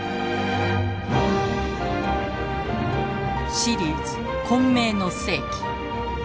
シリーズ「混迷の世紀」。